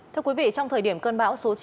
thưa quý vị trong thời điểm cơn bão số chín